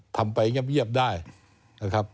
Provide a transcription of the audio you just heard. ทำไปยังไม่เยี่ยมได้นะครับ